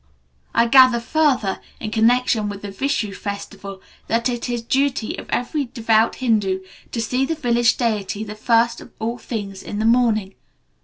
I gather further, in connection with the Vishu festival, that it is the duty of every devout Hindu to see the village deity the first of all things in the morning.